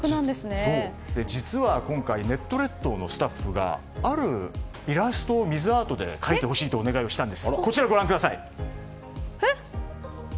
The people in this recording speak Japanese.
実は今回ネット列島のスタッフがあるイラストを水アートで描いてほしいとお願いしたんです。